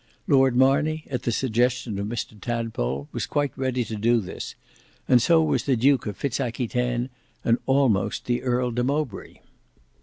Lord Marney at the suggestion of Mr Tadpole was quite ready to do this; and so was the Duke of Fitz Aquitaine, and almost the Earl de Mowbray.